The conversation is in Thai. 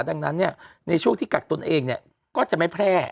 ดังนั้นเนี่ยในช่วงที่กัดตนเองเนี่ยก็จะไม่แพร่